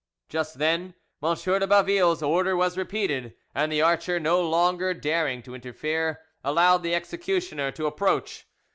Just then M. de Baville's order was repeated, and the archer, no longer daring to interfere, allowed the executioner to approach.